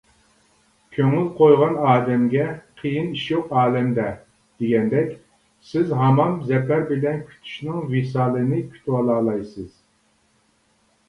«كۆڭۈل قويغان ئادەمگە، قىيىن ئىش يوق ئالەمدە» دېگەندەك، سىز ھامان زەپەر بىلەن كۈتۈشنىڭ ۋىسالىنى كۈتۈۋالالايسىز.